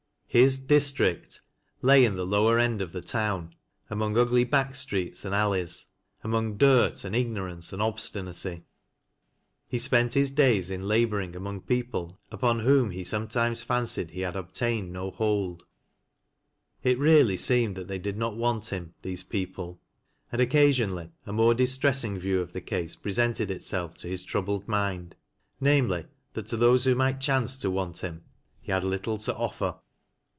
His " district " lay in the lower end of the town among ngly back streets, and alleys ; among dirt and ignoi'ance and obstinacy. He spent his days in laboring among people upon whom he sometimes fancied he had obtained no hold. It really seemed tliat they did not want him — these people ; and occasionally a more distressing view of the case presented itself to his troubled mind,— namely, that to those who might chance to want him he had little to offer.